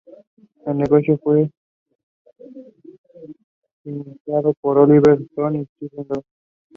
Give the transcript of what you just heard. His attempt to decipher the "Hittite hieroglyphs" was unsuccessful.